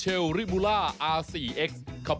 เฮ้ยเฮ้ยเฮ้ยเฮ้ยเฮ้ยเฮ้ยเฮ้ยเฮ้ยเฮ้ยเฮ้ย